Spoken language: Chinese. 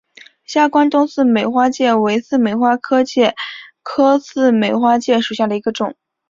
下关东似美花介为似美花介科似美花介属下的一个种。